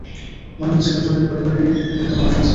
মনে হচ্ছে দুজনের পরিবারেই মৃত মানুষ আছে।